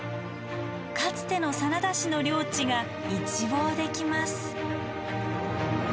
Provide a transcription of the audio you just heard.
かつての真田氏の領地が一望できます。